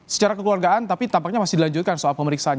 secara kekeluargaan tapi tampaknya masih dilanjutkan soal pemeriksaan